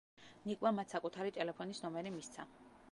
ნიკმა მათ საკუთარი ტელეფონის ნომერი მისცა.